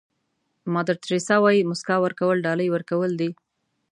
مادر تریسیا وایي موسکا ورکول ډالۍ ورکول دي.